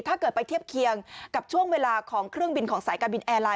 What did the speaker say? ถ้าเกิดไปเทียบเคียงกับช่วงเวลาของเครื่องบินของสายการบินแอร์ไลน